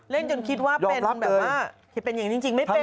เล่นจนคิดว่าเป็นแบบว่าเป็นอย่างนี้จริงไม่เป็น